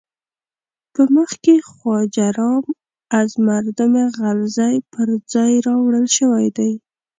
په مخ کې خواجه رام از مردم غلزی پر ځای راوړل شوی دی.